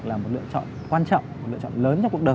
là một lựa chọn quan trọng một lựa chọn lớn cho cuộc đời